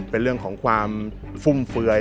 เป็นเรื่องของความฟุ่มเฟือย